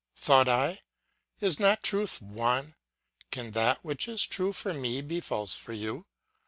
thought I, is not truth one; can that which is true for me be false for you?